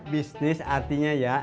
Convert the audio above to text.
bisnis artinya ya